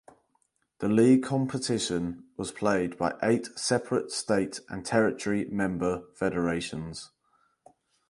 The league competition was played by eight separate state and territory member federations.